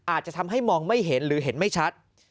อาจจะทำให้มองไม่เห็นหรือเห็นไม่ชัด